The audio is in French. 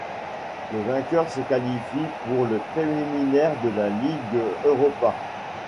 Le vainqueur se qualifie pour le préliminaire de la Ligue Europa.